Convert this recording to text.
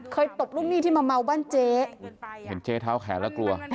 ตบลูกหนี้ที่มาเมาบ้านเจ๊เห็นเจ๊เท้าแขนแล้วกลัว